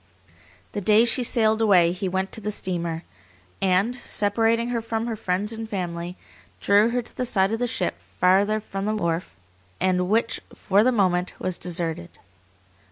The day she sailed away he went to the steamer, and, separating her from her friends and family, drew her to the side of the ship farther from the wharf, and which for the moment, was deserted.